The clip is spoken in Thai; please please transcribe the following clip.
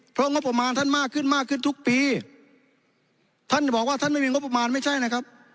เพราะงบประมาณท่านมากขึ้นมากขึ้นทุกปีท่านจะบอกว่าท่านไม่มีงบประมาณไม่ใช่นะครับ